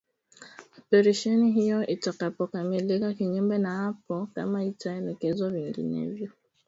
Operesheni hiyo itakapokamilika kinyume na hapo kama itaelekezwa vinginevyo